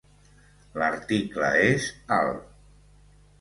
L'article és 'al'.